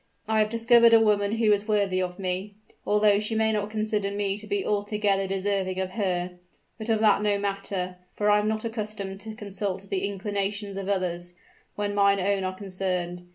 "I have discovered a woman who is worthy of me although she may not consider me to be altogether deserving of her. But of that no matter; for I am not accustomed to consult the inclinations of others, when mine own are concerned.